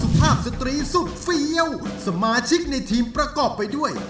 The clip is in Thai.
ภาพสตรีสุดเฟี้ยวสมาชิกในทีมประกอบไปด้วย